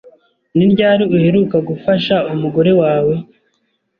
Ni ryari uheruka gufasha umugore wawe?